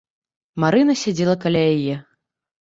Марына сядзела каля яе.